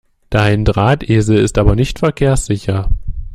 Dein Drahtesel ist aber nicht verkehrssicher!